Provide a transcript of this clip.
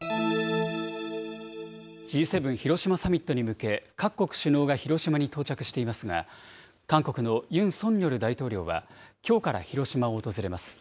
Ｇ７広島サミットに向け、各国首脳が広島に到着していますが、韓国のユン・ソンニョル大統領はきょうから広島を訪れます。